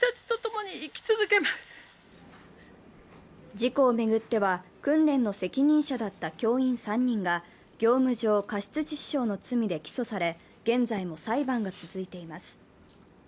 事故を巡っては、訓練の責任者だった教員３人が業務上過失致死傷の罪で起訴され、現在も裁判が続いています。